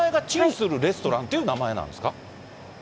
するレストランっていう名前なんですか？